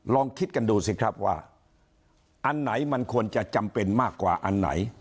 ลองคิดกันดูสิครับว่าอันไหนมันควรจะจำเป็นมากกว่าอันไหน